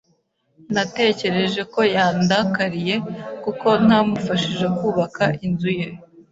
Natekereje ko yandakariye kuko ntamufashije kubaka inzu ye.